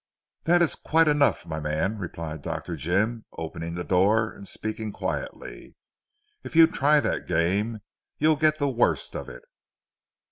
"That is quite enough my man," replied Dr. Jim opening the door and speaking quietly, "if you try that game, you'll get the worst of it."